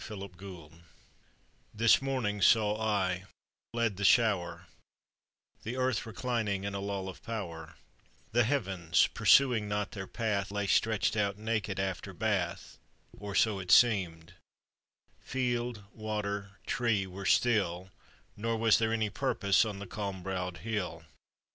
CONTEMPLATION This morning saw I, fled the shower, The earth reclining in a lull of power: The heavens, pursuing not their path, Lay stretched out naked after bath, Or so it seemed; field, water, tree, were still, Nor was there any purpose on the calm browed hill.